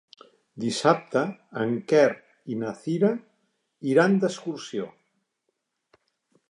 Dissabte en Quer i na Cira iran d'excursió.